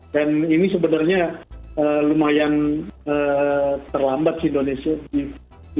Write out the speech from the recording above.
dan ini sebenarnya lumayan terlambat sih indonesia